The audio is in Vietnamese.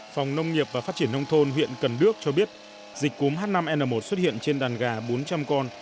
phòng nông nghiệp và phát triển nông thôn huyện cần đước cho biết dịch cúm h năm n một xuất hiện trên đàn gà bốn trăm linh con